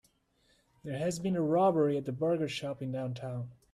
There has been a robbery at the burger shop in downtown.